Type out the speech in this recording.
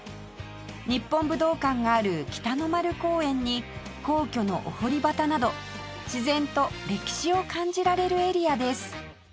日本武道館がある北の丸公園に皇居のお濠端など自然と歴史を感じられるエリアです